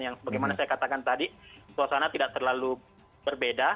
yang sebagaimana saya katakan tadi suasana tidak terlalu berbeda